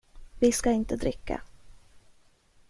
Vi ska inte dricka.